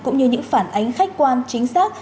những phản ánh khách quan chính xác